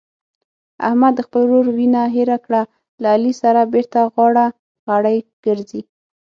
احمد د خپل ورور وینه هېره کړه له علي سره بېرته غاړه غړۍ ګرځي.